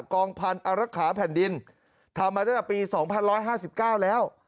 กองพันธุ์อรักษาแผ่นดินทำมาจากปี๒๑๕๙แล้ว